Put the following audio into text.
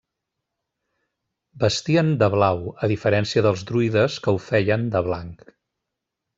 Vestien de blau, a diferència dels druides que ho feien de blanc.